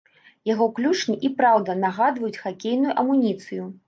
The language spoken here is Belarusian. Яго клюшні і праўда нагадваюць хакейную амуніцыю.